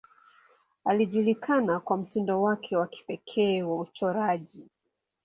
Alijulikana kwa mtindo wake wa kipekee wa uchoraji.